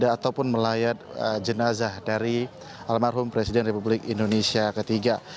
ataupun melayat jenazah dari almarhum presiden republik indonesia ketiga